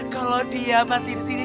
kalau dia masih di sini